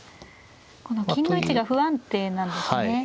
この金の位置が不安定なんですね。